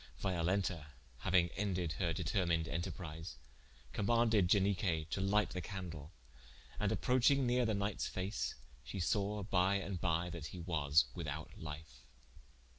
Violenta hauing ended her determined enterprise, commaunded Ianique to light the candle, and approching nere the knightes face, shee sawe by and by that he was without life.